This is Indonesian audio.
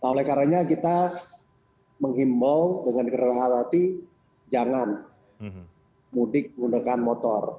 oleh karena kita menghimbau dengan keras hati jangan mudik menggunakan motor